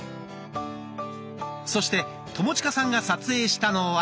そして友近さんが撮影したのは。